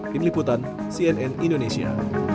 pemliputan cnn indonesia